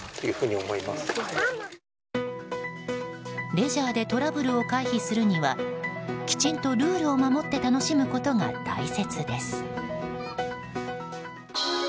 レジャーでトラブルを回避するにはきちんとルールを守って楽しむことが大切です。